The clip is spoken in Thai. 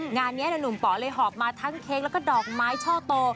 งานนี้หนุ่มป๋อเลยหอบมาทั้งเค้กแล้วก็ดอกไม้ช่อโต